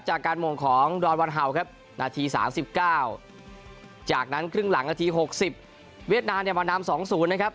จากการมงของดอนวันเห่าครับนาที๓๙จากนั้นครึ่งหลังนาที๖๐เวียดนามเนี่ยมานำ๒๐นะครับ